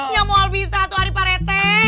yang mau albisa atau ariparete